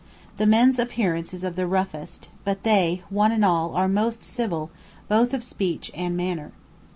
The men's appearance is of the roughest, but they, one and all, are most civil, both of speech and manner.